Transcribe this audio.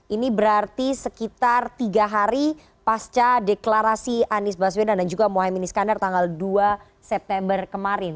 ini berarti sekitar tiga hari pasca deklarasi anies baswedan dan juga mohaimin iskandar tanggal dua september kemarin